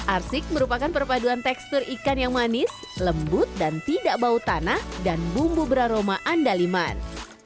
arsik merupakan perpaduan tekstur ikan yang manis lembut dan tidak bau tanah dan bumbu beraroma andaliman